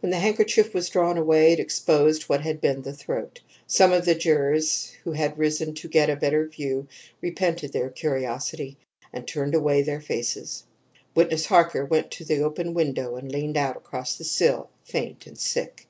When the handkerchief was drawn away it exposed what had been the throat. Some of the jurors who had risen to get a better view repented their curiosity, and turned away their faces. Witness Harker went to the open window and leaned out across the sill, faint and sick.